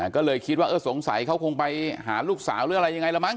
ก็เลยคิดว่าเออสงสัยเขาคงไปหาลูกสาวหรืออะไรยังไงละมั